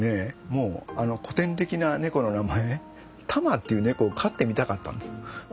もうあの古典的な猫の名前たまっていう猫を飼ってみたかった。